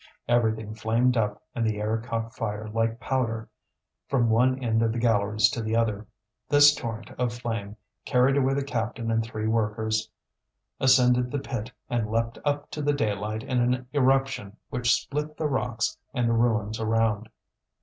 Everything flamed up and the air caught fire like powder, from one end of the galleries to the other. This torrent of flame carried away the captain and three workers, ascended the pit, and leapt up to the daylight in an eruption which split the rocks and the ruins around.